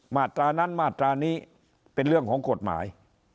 มาตรานั้นมาตรานี้เป็นเรื่องของกฎหมาย